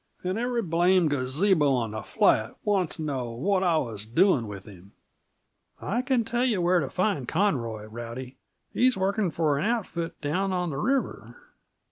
And every blame' gazabo on the flat wanted to know what I was doing with him!" "I can tell yuh where t' find Conroy, Rowdy. He's working for an outfit down on the river.